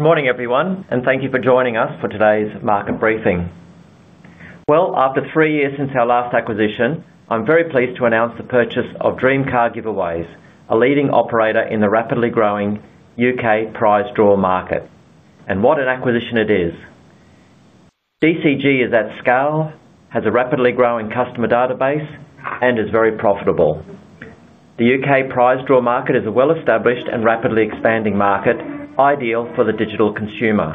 Morning everyone and thank you for joining us for today's market briefing. After three years since our last acquisition, I'm very pleased to announce the purchase of Dream Car Giveaways, a leading operator in the rapidly growing U.K. prize draw market. What an acquisition it is. DCG is at scale, has a rapidly growing customer database, and is very profitable. The U.K. prize draw market is a well-established and rapidly expanding market ideal for the digital consumer.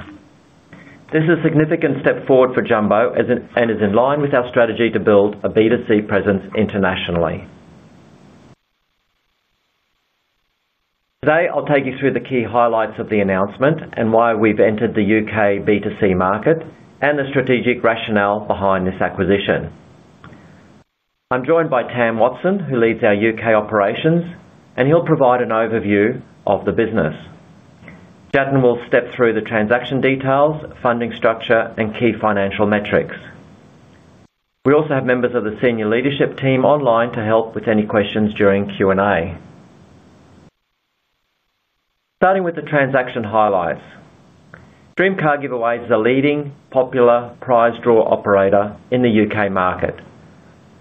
This is a significant step forward for Jumbo and is in line with our strategy to build a B2C presence internationally. Today I'll take you through the key highlights of the announcement and why we've entered the U.K. B2C market and the strategic rationale behind this acquisition. I'm joined by Tam Watson, who leads our U.K. Operations, and he'll provide an overview of the business. Jatin will step through the transaction details, funding structure, and key financial metrics. We also have members of the senior leadership team online to help with any questions during Q&A. Starting with the transaction highlights, Dream Car Giveaways is a leading popular prize draw operator in the U.K. market.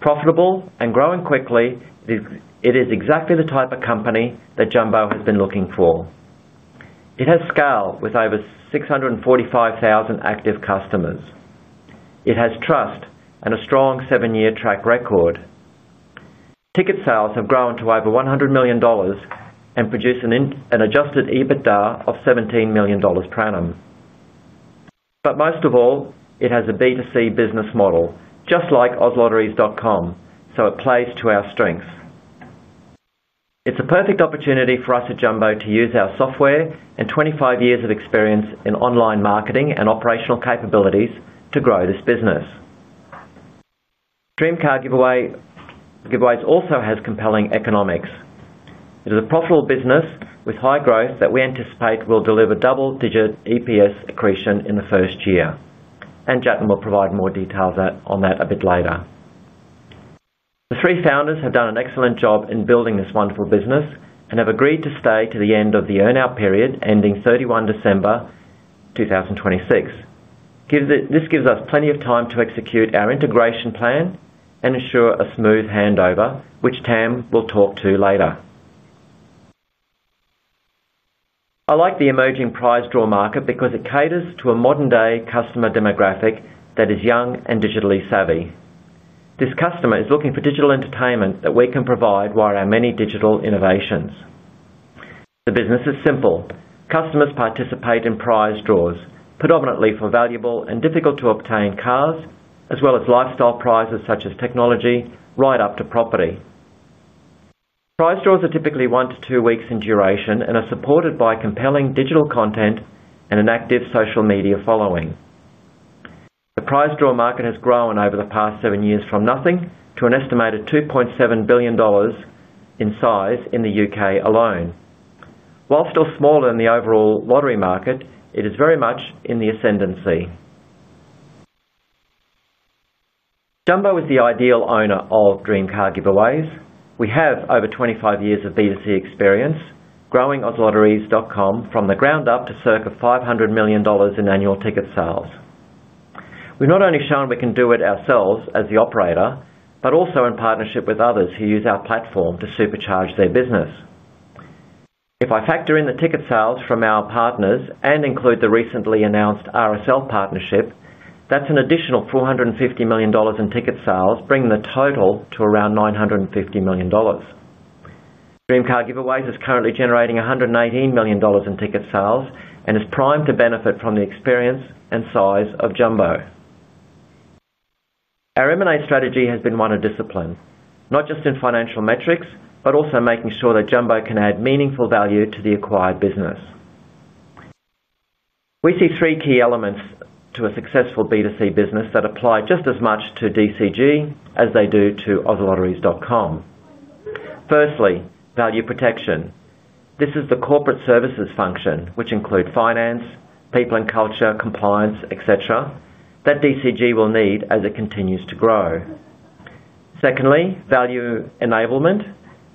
Profitable and growing quickly, it is exactly the type of company that Jumbo has been looking for. It has scale with over 645,000 active customers. It has trust and a strong seven-year track record. Ticket sales have grown to over 100 million dollars and produce an adjusted EBITDA of 17 million dollars per annum. Most of all, it has a B2C business model just like ozlotteries.com, so it plays to our strengths. It's a perfect opportunity for us at Jumbo to use our software and 25 years of experience in online marketing and operational capabilities to grow this business. Dream Car Giveaways also has compelling economics. It is a profitable business with high growth that we anticipate will deliver double-digit EPS accretion in the first year, and Jatin will provide more details on that a bit later. The three founders have done an excellent job in building this wonderful business and have agreed to stay to the end of the earn-out period ending 31 December 2026. This gives us plenty of time to execute our integration plan and ensure a smooth handover, which Tam will talk to later. I like the emerging prize draw market because it caters to a modern-day customer demographic that is young and digitally savvy. This customer is looking for digital entertainment that we can provide via our many digital innovations. The business is simple. Customers participate in prize draws predominantly for valuable and difficult to obtain cars as well as lifestyle prizes such as technology right up to property. Prize draws are typically one to two weeks in duration and are supported by compelling digital content and an active social media following. The prize draw market has grown over the past seven years from nothing to an estimated 2.7 billion dollars in size in the U.K. alone. While still smaller than the overall lottery market, it is very much in the ascendancy. Jumbo is the ideal owner of Dream Car Giveaways. We have over 25 years of B2C experience growing ozlotteries.com from the ground up to circa 500 million dollars in annual ticket sales. We've not only shown we can do it ourselves as the operator, but also in partnership with others who use our platform to supercharge their business. If I factor in the ticket sales from our partners and include the recently announced RSL partnership, that's an additional 450 million dollars in ticket sales, bringing the total to around 950 million dollars. Dream Car Giveaways is currently generating 118 million dollars in ticket sales and is primed to benefit from the experience and size of Jumbo. Our M&A strategy has been one of discipline, not just in financial metrics, but also making sure that Jumbo can add meaningful value to the acquired business. We see three key elements to a successful B2C business that apply just as much to DCG as they do to ozlotteries.com. Firstly, value protection. This is the corporate services function which include finance, people and culture, compliance, etc. that DCG will need as it continues to grow. Secondly, value enablement.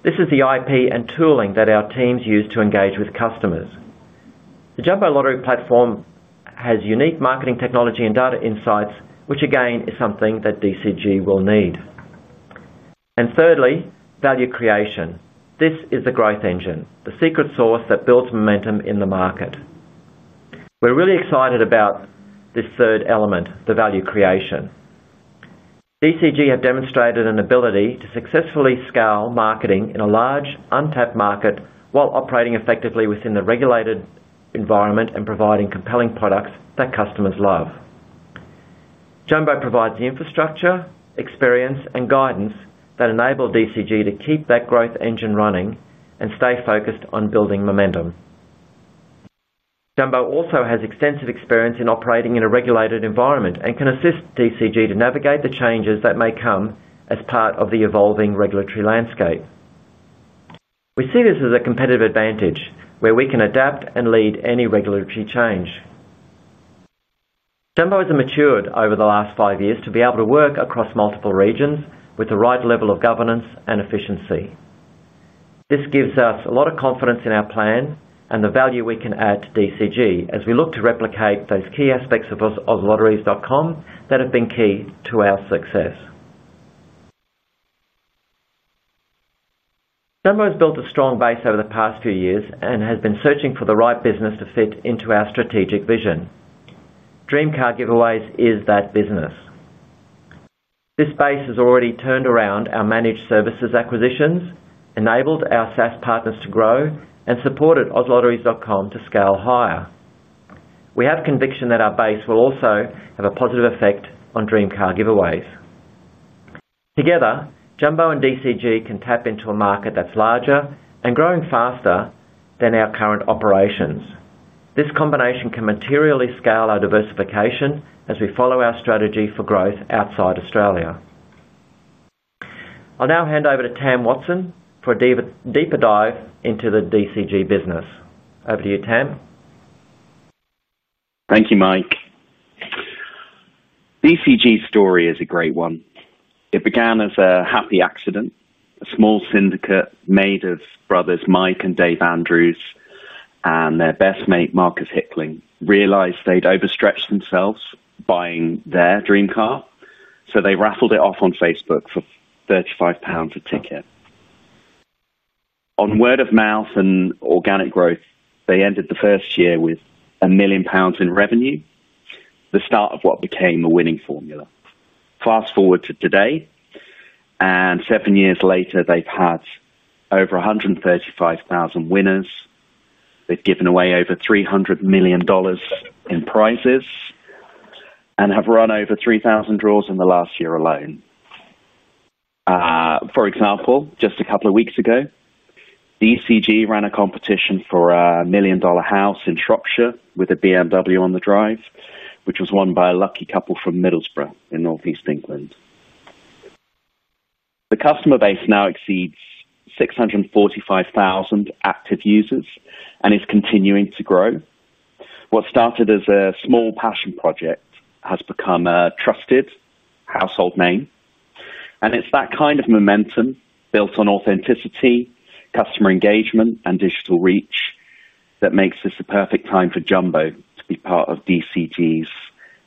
This is the IP and tooling that our teams use to engage with customers. The Jumbo Lottery platform has unique marketing technology and data insights which again is something that DCG will need. Thirdly, value creation. This is the growth engine, the secret sauce that builds momentum in the market. We're really excited about this third element, the value creation. DCG have demonstrated an ability to successfully scale marketing in a large untapped market while operating effectively within the regulated environment and providing compelling products that customers love. Jumbo provides the infrastructure, experience, and guidance that enable DCG to keep that growth engine running and stay focused on building momentum. Jumbo also has extensive experience in operating in a regulated environment and can assist DCG to navigate the changes that may come as part of the evolving regulatory landscape. We see this as a competitive advantage where we can adapt and lead any regulatory change. Jumbo has matured over the last five years to be able to work across multiple regions with the right level of governance and efficiency. This gives us a lot of confidence in our plan and the value we can add to DCG as we look to replicate those key aspects of Lotteries.com that have been key to our success. Jumbo has built a strong base over the past few years and has been searching for the right business to fit into our strategic vision. Dream Car Giveaways is that business. This space has already turned around. Our Managed Services acquisitions enabled our SaaS partners to grow and supported ozlotteries.com to scale higher. We have conviction that our base will also have a positive effect on Dream Car Giveaways. Together, Jumbo and DCG can tap into a market that's larger and growing faster than our current operations. This combination can materially scale our diversification as we follow our strategy for growth outside Australia. I'll now hand over to Tam Watson for a deeper dive into the DCG business. Over to you, Tam. Thank you, Mike. DCG's story is a great one. It began as a happy accident. A small syndicate made of brothers Mike and Dave Andrews and their best mate Marcus Hickling realized they'd overstretched themselves buying their dream car. They raffled it off on Facebook for 35 pounds a ticket. On word of. Mouth and organic growth. They ended the first year with 1 million pounds in revenue, the start of what became a winning formula. Fast forward to today and seven years later they've had over 135,000 winners. They've given away over 300 million dollars in prizes and have run over 3,000 draws in the last year alone. For example, just a couple of weeks ago, DCG ran a competition for a 1 million dollar house in Shropshire with a BMW on the drive, which was won by a lucky couple from Middlesbrough in Northeast England. The customer base now exceeds 645,000 active users and is continuing to grow. What started as a small passion project has become a trusted household name, and it's that kind of momentum built on authenticity, customer engagement, and digital reach that makes this the perfect time for Jumbo to be part of DCG's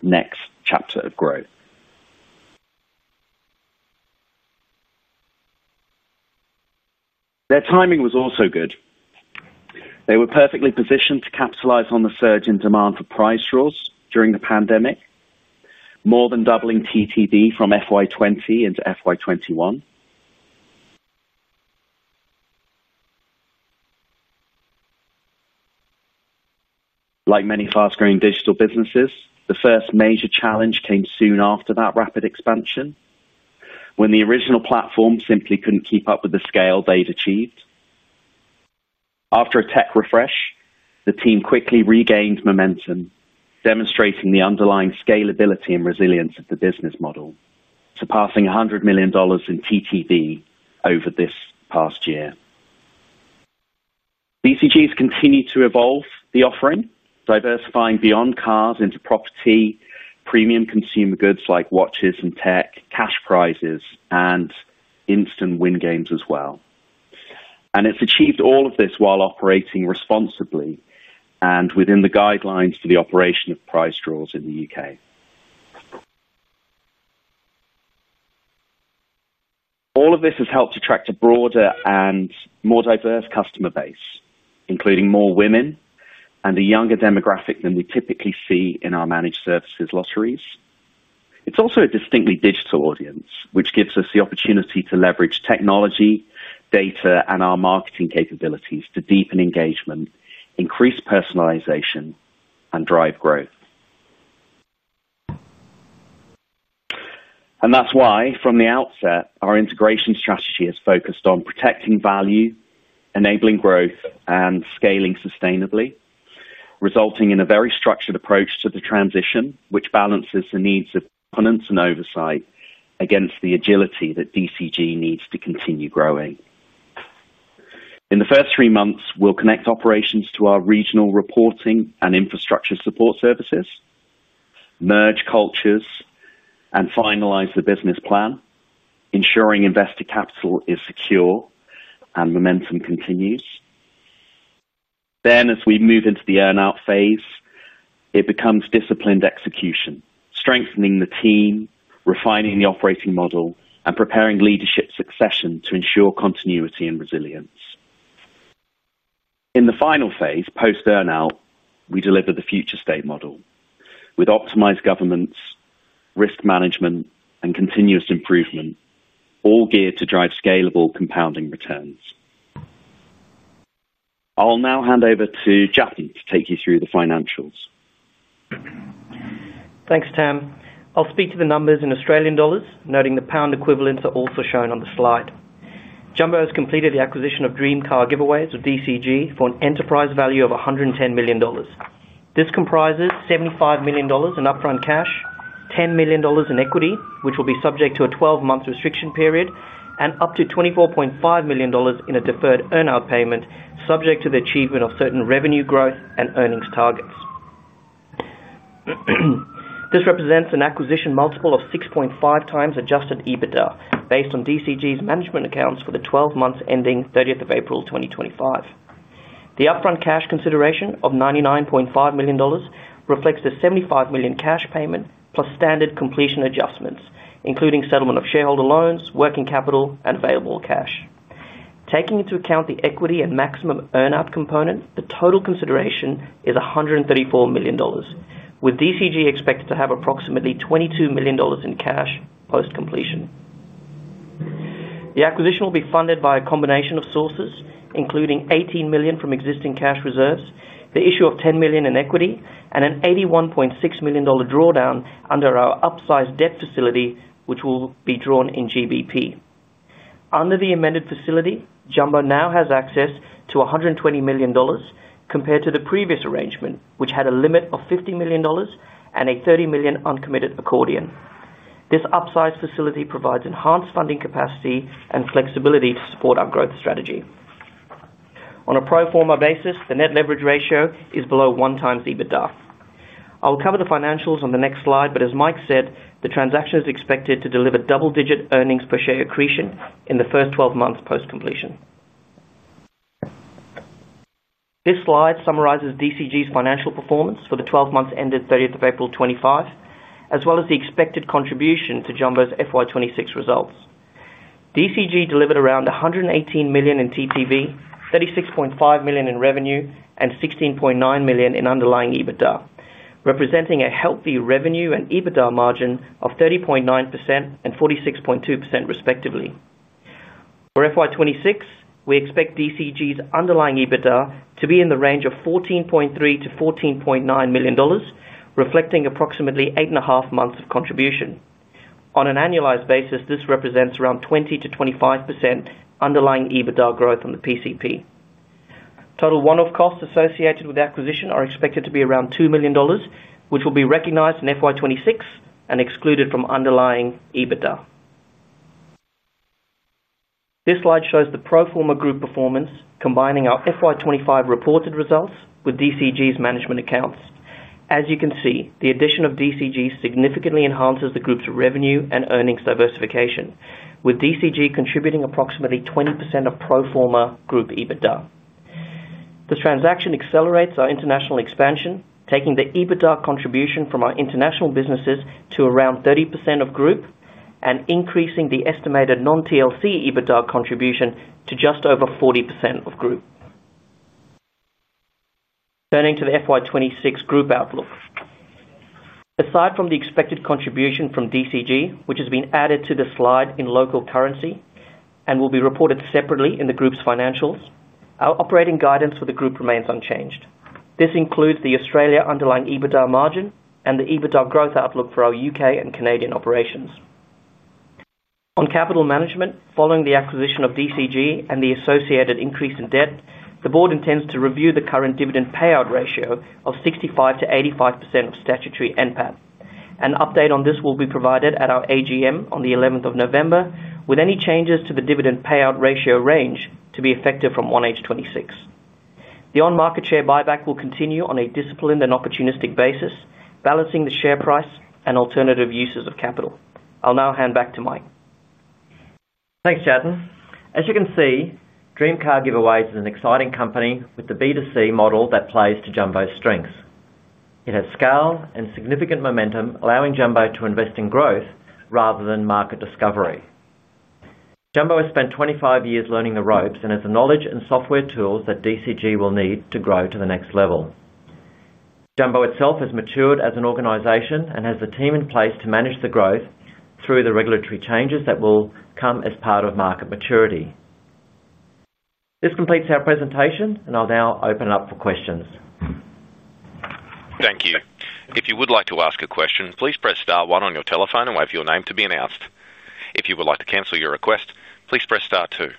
next chapter of growth. Their timing was also good. They were perfectly positioned to capitalize on the surge in demand for prize draws during the pandemic, more than doubling TTD from FY 2020 into FY 2021. Like many fast-growing digital businesses, the first major challenge came soon after that rapid expansion, when the original platform simply couldn't keep up with the scale they'd achieved. After a tech refresh, the team quickly regained momentum, demonstrating the underlying scalability and resilience of the business model, surpassing 100 million dollars in TTD over this past year. DCG has continued to evolve the offering, diversifying beyond cars into property, premium consumer goods like watches and tech, cash prizes, and instant win games as well. It's achieved all of this while operating responsibly and within the guidelines for the operation of prize draws in the U.K. All of this has helped attract a broader and more diverse customer base, including more women and a younger demographic than we typically see in our Managed Services lotteries. It's also a distinctly digital audience, which gives us the opportunity to leverage technology, data, and our marketing capabilities to deepen engagement, increase personalization, and drive growth. That is why from the outset our integration strategy is focused on protecting value, enabling growth, and scaling sustainably, resulting in a very structured approach to the transition which balances the needs of punters and oversight against the agility that DCG needs to continue growing. In the first three months, we'll connect operations to our regional reporting and infrastructure support services, merge cultures, and finalize the business plan, ensuring investor capital is secure and momentum continues. As we move into the earn out phase, it becomes disciplined execution, strengthening the team, refining the operating model, and preparing leadership succession to ensure continuity and resilience. In the final phase, post earn out, we deliver the future state model with optimized governance, risk management, and continuous improvement, all geared to drive scalable compounding returns. I'll now hand over to Jatin to take you through the financials. Thanks Tam. I'll speak to the numbers in Australian dollars, noting the pound equivalents are also shown on the slide. Jumbo has completed the acquisition of Dream Car Giveaways, or DCG, for an enterprise value of 110 million dollars. This comprises 75 million dollars in upfront cash, 10 million dollars in equity which will be subject to a 12-month restriction period, and up to 24.5 million dollars in a deferred earnout payment subject to the achievement of certain revenue growth and earnings targets. This represents an acquisition multiple of 6.5x adjusted EBITDA based on DCG's management accounts for the 12 months ending April 30, 2025. The upfront cash consideration of 99.5 million dollars reflects the 75 million cash payment plus standard completion adjustments including settlement of shareholder loans, working capital, and available cash. Taking into account the equity and maximum earnout component, the total consideration is 134 million dollars, with DCG expected to have approximately 22 million dollars in cash post completion. The acquisition will be funded by a combination of sources including 18 million from existing cash reserves, the issue of 10 million in equity, and an 81.6 million dollar drawdown under our upsized debt facility which will be drawn in GBP. Under the amended facility, Jumbo now has access to 120 million dollars compared to the previous arrangement which had a limit of 50 million dollars and a 30 million uncommitted accordion. This upsized facility provides enhanced funding, capacity, and flexibility to support our growth strategy on a pro forma basis. The net leverage ratio is below 1 times EBITDA. I will cover the financials on the next slide, but as Mike said, the transaction is expected to deliver double-digit earnings per share accretion in the first 12 months post completion. This slide summarizes DCG's financial performance for the 12 months ended April 30, 2025, as well as the expected contribution to Jumbo's FY 2026 results. DCG delivered around 118 million in TTV, 36.5 million in revenue, and 16.9 million in underlying EBITDA, representing a healthy revenue and EBITDA margin of 30.9% and 46.2% respectively. For FY 2026, we expect DCG's underlying EBITDA to be in the range of 14.3-14.9 million dollars, reflecting approximately 8.5 months of contribution. On an annualized basis, this represents around 20%-25% underlying EBITDA growth on the PCP. Total one-off costs associated with the acquisition are expected to be around 2 million dollars, which will be recognized in FY 2026 and excluded from underlying EBITDA. This slide shows the pro forma Group performance combining our FY 2025 reported results with DCG's management accounts. As you can see, the addition of DCG significantly enhances the Group's revenue and earnings diversification, with DCG contributing approximately 20% of pro forma group EBITDA. The transaction accelerates our international expansion, taking the EBITDA contribution from our international businesses to around 30% of group and increasing the estimated non-TLC EBITDA contribution to just over 40% of group. Turning to the FY 2026 group outlook, aside from the expected contribution from DCG which has been added to the slide in local currency and will be reported separately in the Group's financials, our operating guidance for the Group remains unchanged. This includes the Australia underlying EBITDA margin and the EBITDA growth outlook for our U.K. and Canadian operations. On capital management following the acquisition of DCG and the associated increase in debt, the Board intends to review the current dividend payout ratio of 65%-85% of statutory NPAT. An update on this will be provided at our AGM on 11th November with any changes to the dividend payout ratio range to be effective from 1H26. The on-market share buyback will continue on a disciplined and opportunistic basis, balancing the share price and alternative uses of capital. I'll now hand back to Mike. Thanks, Jatin. As you can see, Dream Car Giveaways is an exciting company with the B2C model that plays to Jumbo's strengths. It has scale and significant momentum, allowing Jumbo to invest in growth rather than market discovery. Jumbo has spent 25 years learning the ropes and has the knowledge and software tools that DCG will need to grow to the next level. Jumbo itself has matured as an organization and has the team in place to manage the growth through the regulatory changes that will come as part of market maturity. This completes our presentation, and I'll now open it up for questions. Thank you. If you would like to ask a question, please press star one on your telephone and wait for your name to be announced. If you would like to cancel your request, please press star two.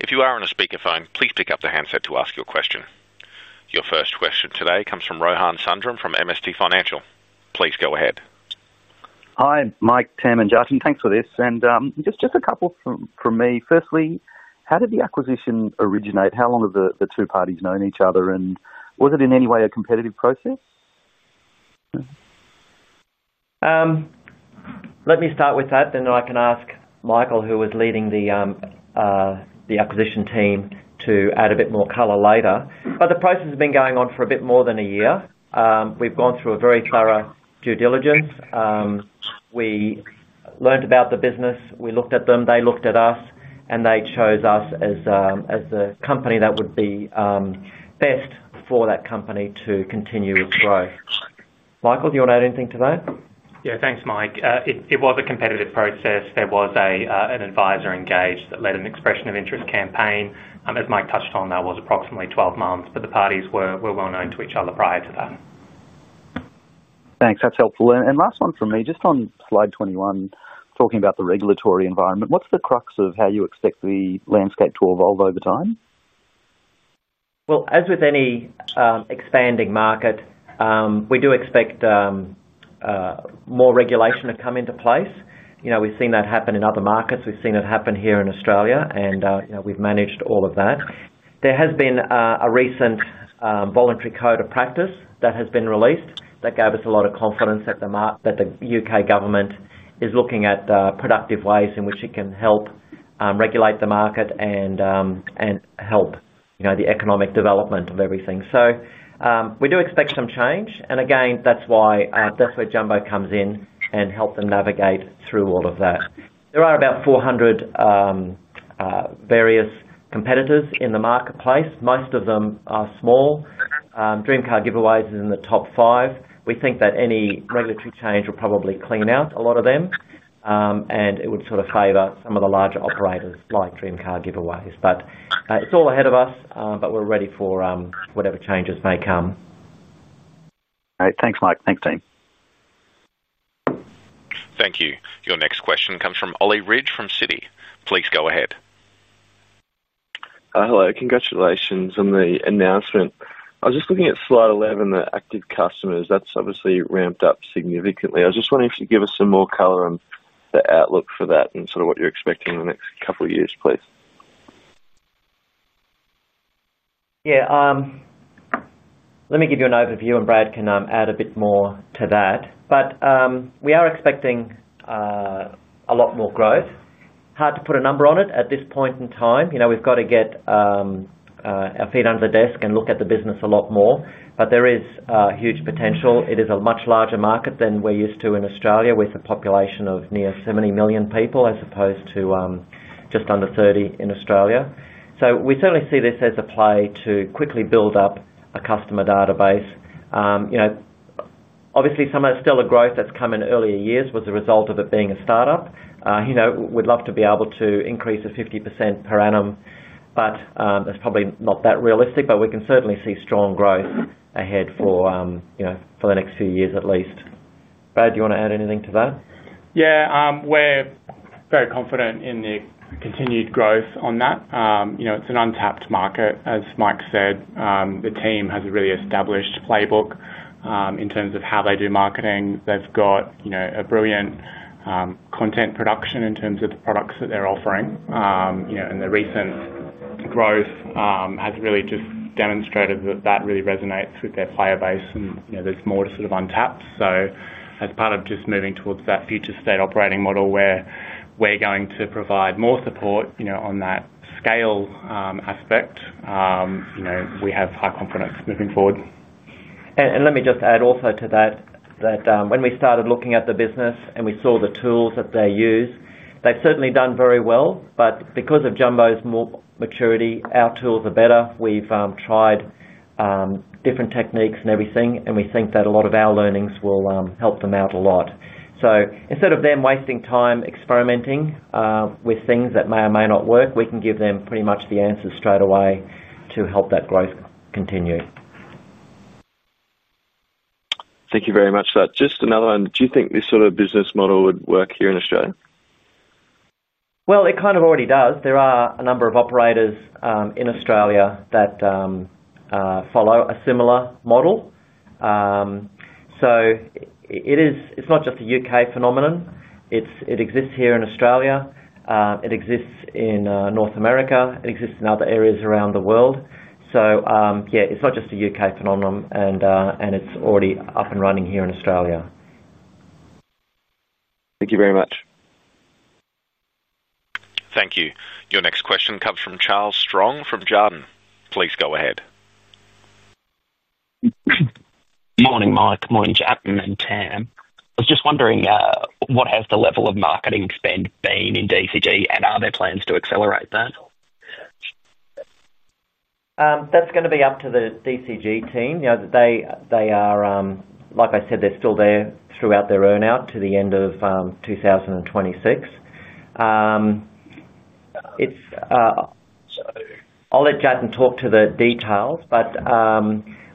If you are on a speakerphone, please pick up the handset to ask your question. Your first question today comes from Rohan Sundram from MST Financial. Please go ahead. Hi Mike, Tam and Jatin. Thanks for this and just a couple from me. Firstly, how did the acquisition originate? How long have the two parties known each other and was it in any way a competitive process? Let me start with that. I can ask Michael, who was leading the acquisition team, to add a bit more color later. The process has been going on for a bit more than a year. We've gone through a very thorough due diligence. We learned about the business, we looked at them, they looked at us, and they chose us as the company that would be best for that company to continue its growth. Michael, do you want to add anything to that? Yeah. Thanks Mike. It was a competitive process. There was an advisor engaged that led an expression of interest campaign. As Mike touched on, that was approximately 12 months, but the parties were well. Known to each other prior to that. Thanks, that's helpful. Last one from me. Just on slide 21 talking about the regulatory environment, what's the crux of how you expect the landscape to evolve over time? As with any expanding market, we do expect more regulation to come into place. You know, we've seen that happen in other markets. We've seen it happen here in Australia, and, you know, we've managed all of that. There has been a recent voluntary code of practice that has been released that gave us a lot of confidence at the mark that the U.K. government is looking at productive ways in which it can help regulate the market and help the economic development of everything. We do expect some change. That's where Jumbo comes in and helps them navigate through all of that. There are about 400 various competitors in the marketplace. Most of them are small. Dream Car Giveaways is in the top five. We think that any regulatory change will probably clean out a lot of them and it would sort of favor some of the larger operators like Dream Car Giveaways. It's all ahead of us, but we're ready for whatever changes may come. Thanks, Mike. Thanks, team. Thank you. Your next question comes from Ollie Ridge from Citi. Please go ahead. Hello. Congratulations on the announcement. I was just looking at slide 11, the active customers. That's obviously ramped up significantly. I was just wondering if you'd give us some more color on the outlook. For that and what you're expecting in the next couple of years, please. Yeah. Let me give you an overview, and Brad can add a bit more to that. We are expecting a lot more growth. Hard to put a number on it at this point in time. We've got to get our feet under the desk and look at the business a lot more. There is huge potential. It is a much larger market than we're used to in Australia with a population of nearly 70 million people, as opposed to just under 30 million in Australia. We certainly see this as a play to quickly build up a customer database. Obviously, some of the stellar growth that's come in earlier years was a result of it being a startup. We'd love to be able to increase at 50% per annum, but that's probably not that realistic. We can certainly see strong growth ahead for the next few years at least. Brad, do you want to add anything to that? Yeah, we're very confident in the continued growth on that. It's an untapped market. As Mike said, the team has a really established playbook in terms of how they do marketing. They've got a brilliant content production in terms of the products that they're offering, and the recent growth has really just demonstrated that that really resonates with their firebase and there's more to sort of untapped. As part of just moving towards that future state operating model where we're going to provide more support on that scale aspect, we have high confidence moving forward. Let me just add also to that, when we started looking at the business and we saw the tools that they use, they've certainly done very well. Because of Jumbo's more maturity, our tools are better. We've tried different techniques and everything, and we think that a lot of our learnings will help them out a lot. Instead of them wasting time experimenting with things that may or may not work, we can give them pretty much the answers straight away to help that growth continue. Thank you very much. Just another one. Do you think this sort of business? Model would work here in Australia? There are a number of operators in Australia that follow a similar model. It is not just a U.K. phenomenon. It exists here in Australia, it exists in North America, it exists in other areas around the world. It is not just a U.K. phenomenon and it is already up and running here in Australia. Thank you very much. Thank you. Your next question comes from Charles Strong from Jarden. Please go ahead. Morning, Mike. Morning Jatin and Tam, I was just wondering what has the level of marketing spend been in DCG, and are there plans to accelerate that? That's going to be up to the DCG team. Like I said, they're still there throughout their earn out to the end of 2026. I'll let Jatin talk to the details.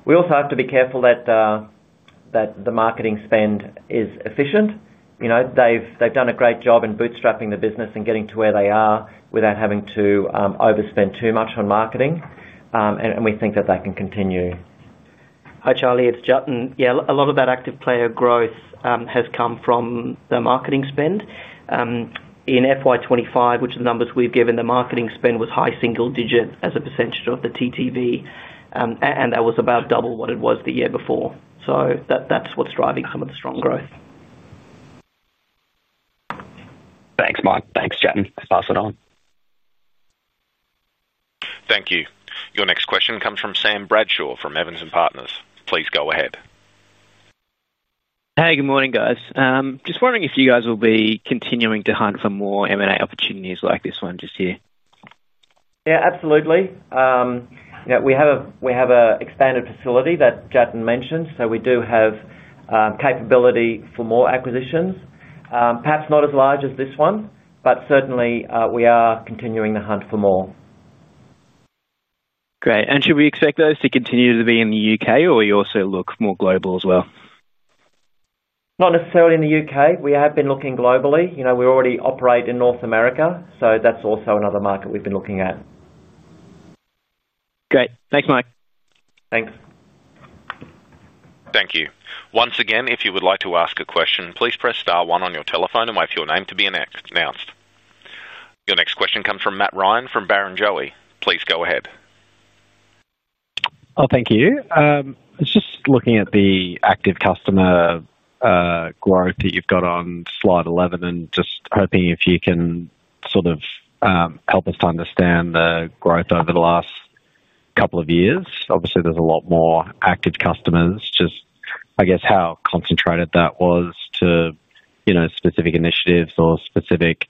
We also have to be careful that the marketing spend is efficient. They've done a great job in bootstrapping the business and getting to where they are without having to overspend too much on marketing, and we think that that can continue. Hi Charlie. It's Jatin. Yeah, a lot of that active player growth has come from the marketing spending in FY 2025, which numbers we've given, the marketing spend was high single digit as a percent of the TTV, and that was about double what it was the year before. That's what's driving some of the strong growth. Thanks, Mike. Thanks, Jatin. Pass it on. Thank you. Your next question comes from Sam Bradshaw from Evans & Partners. Please go ahead. Hey, good morning, guys. Just wondering if you guys will be continuing to hunt for more M&A opportunities like this one just here. Yeah, absolutely. We have an expanded facility that Jatin mentioned, so we do have capability for more acquisitions. Perhaps not as large as this one, but certainly we are continuing the hunt for more. Great. Should we expect those to continue. To be in the U.K. Also look more global as well? Not necessarily in the U.K. We have been looking globally. You know, we already operate in North America, so that's also another market we've been looking at. Great. Thanks, Mike. Thanks. Thank you once again. If you would like to ask a question, please press star one on your telephone and wait for your name to be announced. Your next question comes from Matt Ryan from Barrenjoey, please go ahead. Oh, thank you. It's just looking at the active customer growth that you've got on slide 11, and just hoping if you can sort of help us to understand the growth over the last couple of years. Obviously, there's a lot more active customers. Just, I guess, how concentrated that was to specific initiatives or specific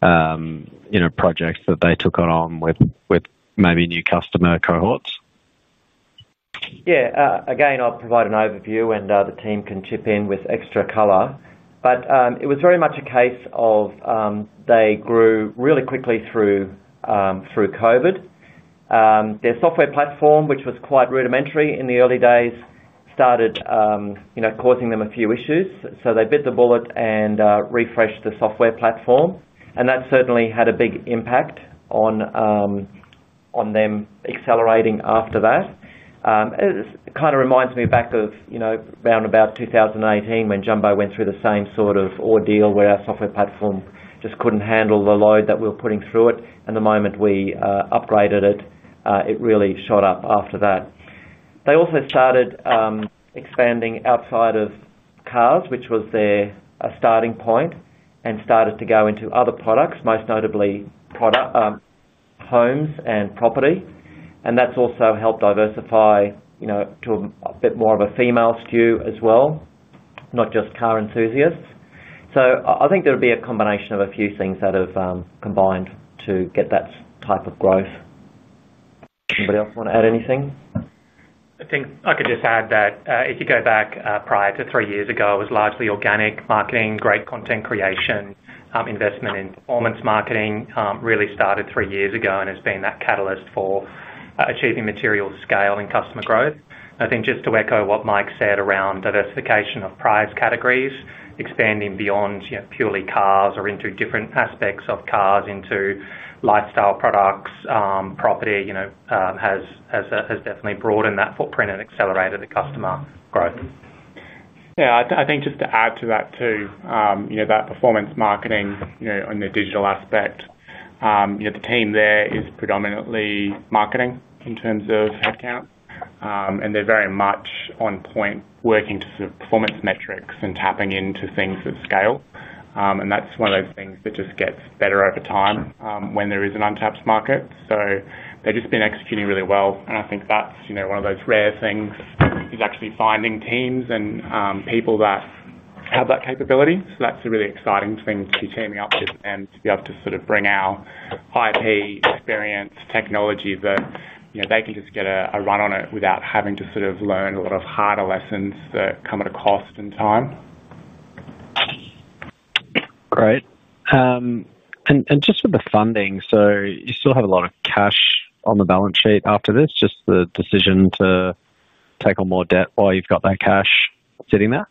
projects that they took on with maybe new customer cohorts. Yeah. Again, I'll provide an overview and the team can chip in with extra color. It was very much a case of they grew really quickly through COVID. Their software platform, which was quite rudimentary in the early days, started causing them a few issues. They bit the bullet and refreshed the software platform, and that certainly had a big impact on them accelerating after that. Kind of reminds me back of round about 2018 when Jumbo went through the same sort of ordeal where our software platform just couldn't handle the load that we were putting through it. The moment we upgraded, really shot up after that. They also started expanding outside of cars, which was their starting point, and started to go into other products, most notably product homes and property. That's also helped diversify to a bit more of a female stew as well, not just car enthusiasts. I think there'll be a combination of a few things that have combined to get that type of growth. Anybody else want to add anything? I think I could just add that if you go back prior to three years ago, it was largely organic marketing, great content creation. Investment in performance marketing really started three years ago and has been that catalyst for achieving material scale and customer growth. I think just to echo what Mike said around diversification of prize categories, expanding beyond purely cars or into different aspects of cars into lifestyle products. Property has definitely broadened that footprint. Accelerated the cost customer growth. I think just to add to that too, that performance marketing on the digital aspect, the team there is predominantly marketing in terms of headcount, and they're very much on point working to performance metrics and tapping into things that scale. That's one of those things that just gets better over time when there is an untapped market. They've just been executing really well. I think that's one of those rare things, actually finding teams and people that have that capability. That's a really exciting thing to team up with and to be able to sort of bring our high P experience technology that, you know, they can just get a run on it without having to sort of learn a lot of harder lessons that come at a cost and time. Great. With the funding, you still have a lot of cash on the balance sheet after this. Is the decision to take on more debt while you've got that cash sitting there?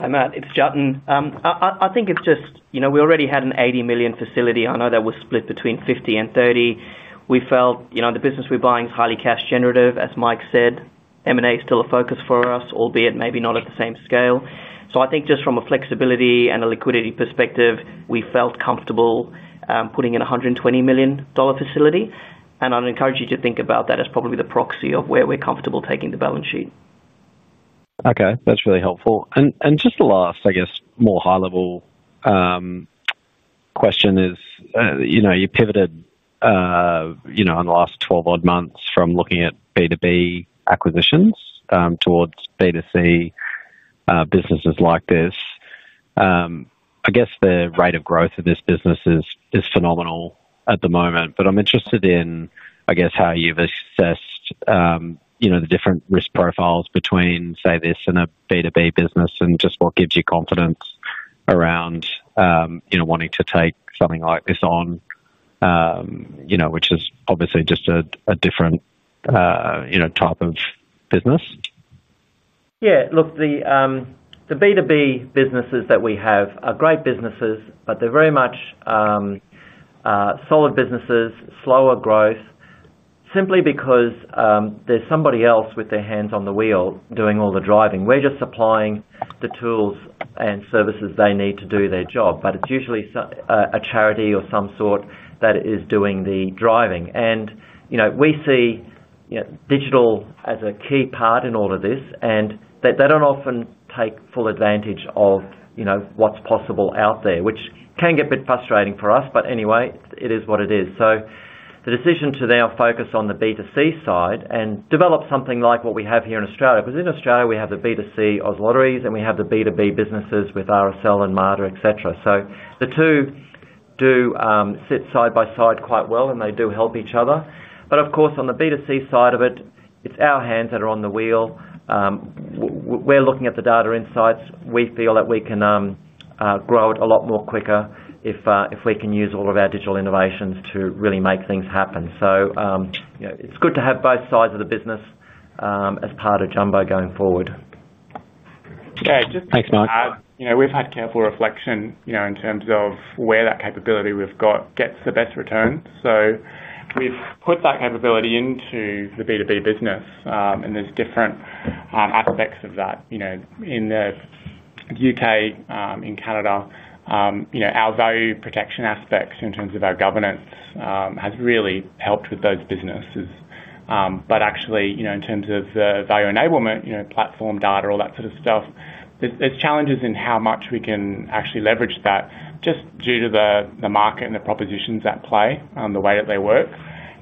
Hi, Matt, it's Jatin. I think it's just, you know, we already had an 80 million facility. I know that was split between 50 million and 30 million. We felt, you know, the business we're buying is highly cash generative. As Mike said, M&A is still a focus for us, albeit maybe not at the same scale. I think just from a flexibility and a liquidity perspective, we felt comfortable putting in a 120 million dollar facility. I'd encourage you to think about that as probably the proxy of where we're comfortable taking the balance sheet. Okay, that's really helpful. Just the last, I guess, more. High level. The question is, you know, you pivoted in the last 12 odd months from looking at B2B acquisitions towards B2C businesses like this. I guess the rate of growth of this business is phenomenal at the moment. I'm interested in how you've assessed the different risk profiles between, say, this and a B2B business. What gives you confidence around wanting to take something like this on, which is obviously just a different type of business. Yeah, look, the B2B businesses that we have are great businesses, but they're very much solid businesses. Slower growth simply because there's somebody else with their hands on the wheel doing all the driving. We're just supplying the tools and services they need to do their job. It's usually a charity or some sort that is doing the driving. You know, we see digital as a key part in all of this and they don't often take full advantage of what's possible out there, which can get a bit frustrating for us. It is what it is. The decision to now focus on the B2C side and develop something like what we have here in Australia. In Australia, we have the B2C Aus lotteries and we have the B2B businesses with RSL and Mater, et cetera. The two do sit side by side quite well and they do help each other. Of course, on the B2C side of it, it's our hands that are on the wheel. We're looking at the data insights. We feel that we can grow it a lot more quicker if we can use all of our digital innovations to really make things happen. It's good to have both sides of the business as part of Jumbo going forward. Thanks, Mike. We've had careful reflection in terms of where that capability we've got gets the best return. We've put that capability into the B2B business, and there's different aspects of that in the U.K., in Canada. Our value protection aspects in terms of our governance have really helped with those businesses. Actually, in terms of value enablement, platform data, all that sort of stuff, there are challenges in how much we can actually leverage that just due to the market and the propositions at play, the way that they work.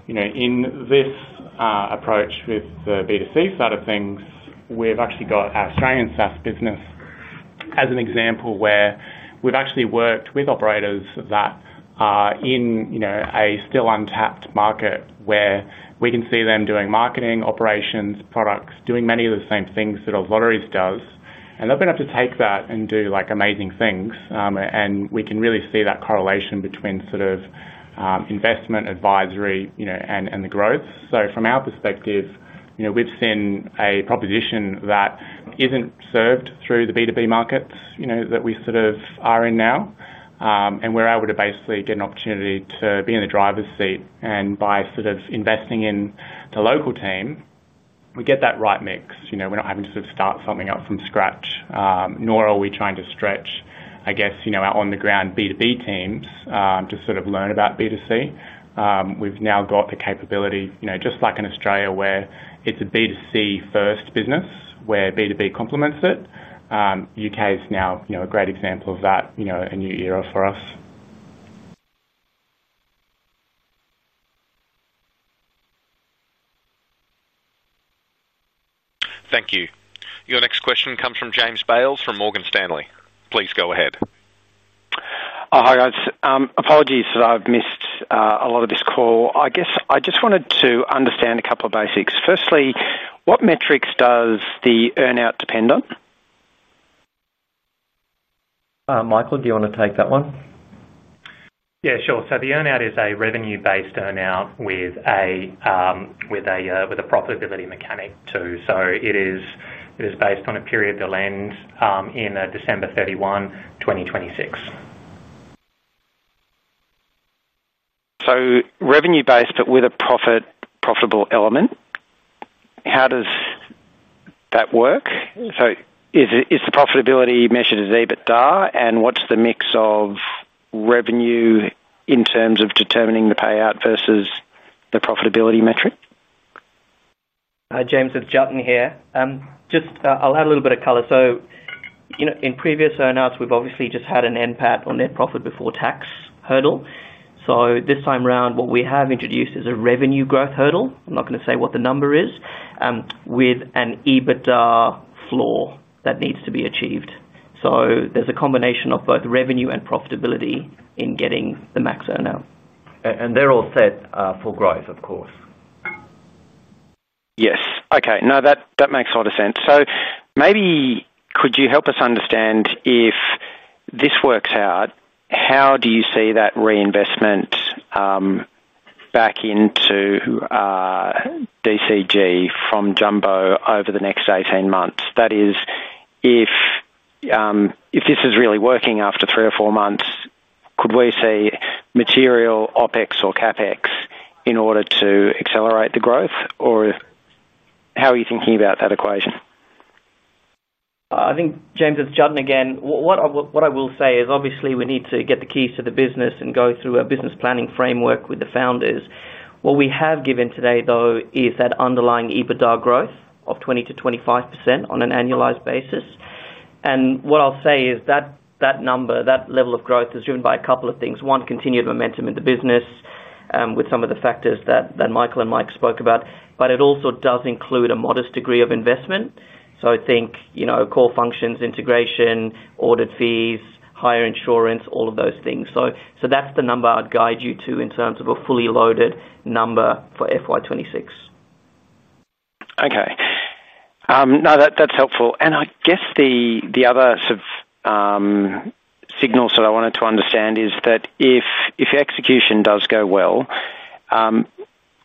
In this approach with the B2C side of things, we've actually got our Australian SaaS business as an example, where we've actually worked with operators that are in a still untapped market, where we can see them doing marketing, operations, products, doing many of the same things that old lotteries does, and they've been able to take that and do amazing things. We can really see that correlation between investment advisory and the growth. From our perspective, we've seen a proposition that isn't served through the B2B markets that we are in now, and we're able to basically get an opportunity to be in the driver's seat by investing in the. Local team, we get that right mix. We're not having to start something up from scratch, nor are we trying to stretch our on the ground B2B teams to sort of learn about B2C. We've now got the capability, just like in Australia, where it's a B2C first business, where B2B complements it. U.K. is now a great example of that, a new era for us. Thank you. Your next question comes from James Bales from Morgan Stanley. Please go ahead. Hi, guys. Apologies that I've missed a lot of this call. I guess I just wanted to understand a couple of basics. Firstly, what metrics does the earn out depend on? Michael, do you want to take that one? Yeah, sure. The earn out is a revenue-based earn out with a profitability mechanic too. It is based on a period to end in December 31, 2026. Revenue based but with a profitable element. How does that work? Is the profitability measured as EBITDA, and what's the mix of revenue in terms of determining the payout versus the profitability metric? Hi, James with Jatin here. I'll add a little bit of color. In previous earnouts we've obviously just had an NPAT or net profit before tax hurdle. This time around what we have introduced is a revenue growth hurdle. I'm not going to say what the number is, with an EBITDA floor that needs to be achieved. There's a combination of both revenue and profitability in getting the max earn. Out and they're all set for growth? Of course. Yes. Okay, that makes a lot of sense. Maybe could you help us understand if this works out, how do you see that reinvestment back into DCG from Jumbo Interactive Ltd over the next 18 months? That is, if this is really working after three or four months, could we see material OpEx or CapEx in order to accelerate the growth? How are you thinking about that equation? I think, James, it's Jatin again. What I will say is obviously we need to get the keys to the business and go through a business planning framework with the founders. What we have given today though is that underlying EBITDA growth of 20%-25% on an annualized basis. What I'll say is that number. That level of growth is driven by. A couple of things. One, continued momentum in the business with some of the factors that Michael and Mike spoke about. It also does include a modest degree of investment. Think core functions, integration, audit fees, higher insurance, all of those things. That's the number I'd guide you to in terms of a fully loaded number for FY 2026. Okay, now that's helpful. I guess the other sort of signals that I wanted to understand is that if execution does go well,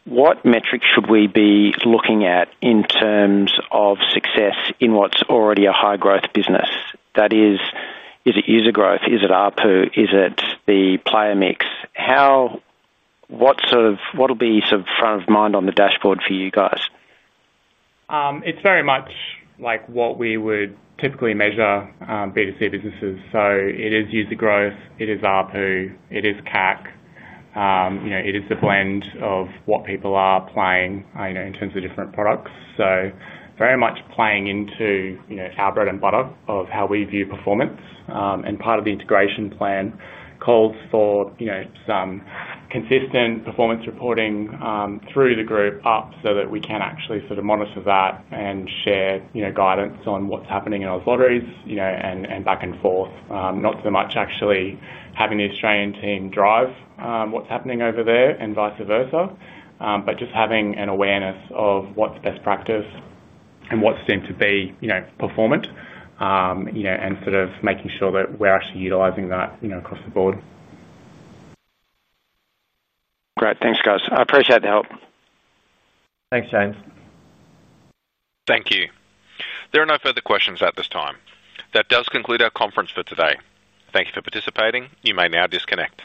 what metrics should we be looking at in terms of success in what's already a high growth business? That is, is it user growth, is it ARPU, is it the player mix? How. What'll be sort of front of mind on the dashboard for you guys? It's very much like what we would typically measure B2C businesses, so it is user growth, it is ARPU, it is CAC, it is the blend of what people are playing in terms of different products. It is very much playing into our bread and butter of how we view performance, and part of the integration plan calls for some consistent performance reporting through the group up so that we can actually sort of monitor that and share, you know, guidance on what's happening in Oz Lotteries, you know, and back and forth. Not so much actually having the Australian team drive what's happening over there and vice versa, but just having an awareness of what's best practice and what's deemed to be, you know, performant, you know, and sort of making sure that we're actually utilizing that, you know, across the board. Great, thanks guys. I appreciate the help. Thanks, James. Thank you. There are no further questions at this time. That does conclude our conference for today. Thank you for participating. You may now disconnect.